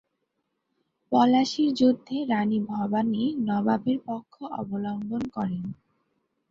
পলাশীর যুদ্ধে রাণী ভবানী নবাবের পক্ষ অবলম্বন করেন।